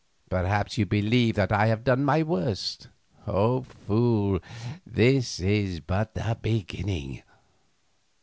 Perhaps you believe that I have done my worst. Fool, this is but a beginning.